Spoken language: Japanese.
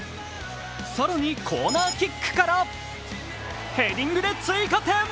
更に、コーナーキックからヘディングで追加点。